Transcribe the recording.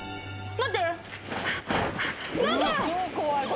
待って。